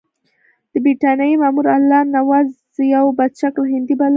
د برټانیې مامور الله نواز یو بدشکله هندی بللی.